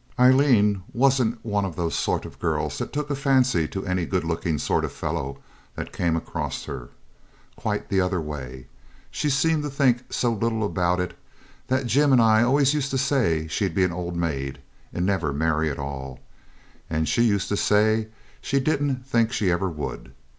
Aileen wasn't one of those sort of girls that took a fancy to any good looking sort of fellow that came across her. Quite the other way. She seemed to think so little about it that Jim and I always used to say she'd be an old maid, and never marry at all. And she used to say she didn't think she ever would.